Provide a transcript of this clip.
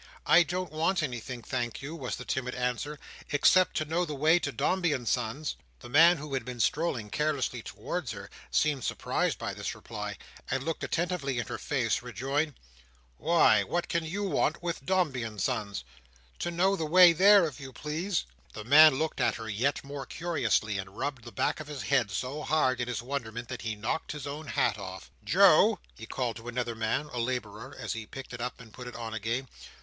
"I don't want anything, thank you," was the timid answer. "Except to know the way to Dombey and Son's." The man who had been strolling carelessly towards her, seemed surprised by this reply, and looking attentively in her face, rejoined: "Why, what can you want with Dombey and Son's?" "To know the way there, if you please." The man looked at her yet more curiously, and rubbed the back of his head so hard in his wonderment that he knocked his own hat off. "Joe!" he called to another man—a labourer—as he picked it up and put it on again.